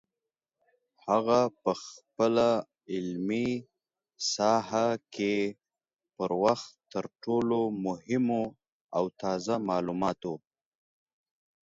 هغه په خپله علمي ساحه کې پر وخت تر ټولو مهمو او تازه معلوماتو